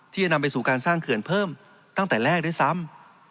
ที่จะนำไปสู่การสร้างเขื่อนเพิ่มตั้งแต่แรกด้วยซ้ำ